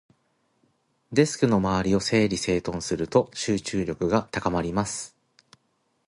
デスクの周りを整理整頓すると、集中力が高まります。